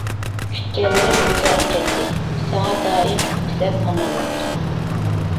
كۈتكەنلىرىم بىكارغا كەتتى، ساڭا دائىم تىلەپ ئامانلىق.